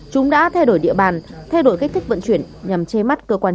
chúng đã thay đổi địa bàn thay đổi cách thích vận chuyển nhằm chê mắt cơ quan